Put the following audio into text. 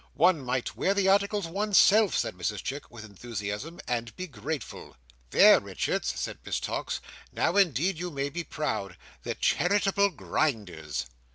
One might wear the articles one's self," said Mrs Chick, with enthusiasm, "and be grateful." "There, Richards!" said Miss Tox. "Now, indeed, you may be proud. The Charitable Grinders!"